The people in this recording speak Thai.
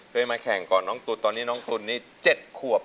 เคยมาแข่งก่อนน้องตุ๋นตอนนี้น้องตุ๋นนี่๗ขวบ